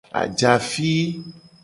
Ajafi.